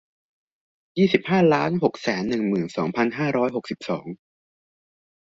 ยี่สิบห้าล้านหกแสนหนึ่งหมื่นสองพันห้าร้อยหกสิบสอง